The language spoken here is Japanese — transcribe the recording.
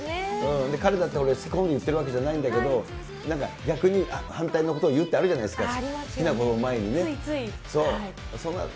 彼だって本当のこと言ってるわけじゃないんだけど、なんか逆に、反対のことを言うってあるじゃないですか。